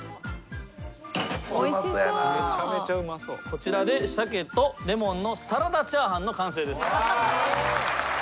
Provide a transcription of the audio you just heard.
こちらでシャケとレモンのサラダチャーハンの完成です。